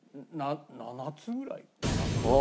７つぐらいかな？